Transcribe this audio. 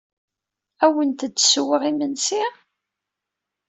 Ad awent-d-ssewweɣ imensi?